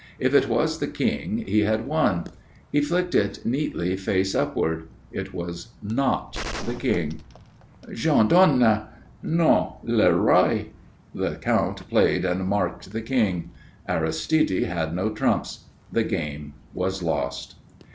If it was the King, he had won. He flicked it neatly face upward. It was not the King. "J'en donne." "Non. Le roi." The Count played and marked the King. Aristide had no trumps. The game was lost.